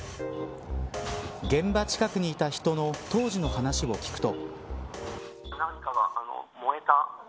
現場近くにいた人の当時の話を聞くと。